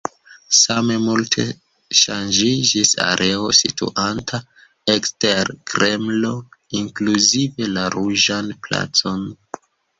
Same multe ŝanĝiĝis areo situanta ekster Kremlo, inkluzive la Ruĝan placon.